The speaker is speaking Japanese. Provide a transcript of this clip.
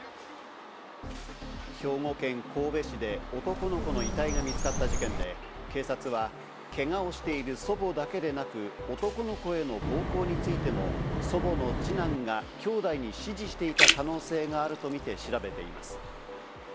兵庫県神戸市で男の子の遺体が見つかった事件で、警察は、けがをしている祖母だけでなく、男の子への暴行についても祖母の二男がきょうだいに指示していた可能性があるとみて調べています。